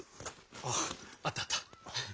あああったあった！